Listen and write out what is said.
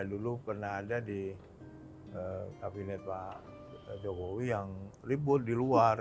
dulu pernah ada di kabinet pak jokowi yang ribut di luar